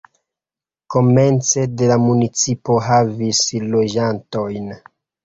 Komence de la municipo havis loĝantojn.